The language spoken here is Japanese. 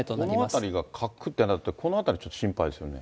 この辺りがかくってなって、この辺り、ちょっと心配ですよね。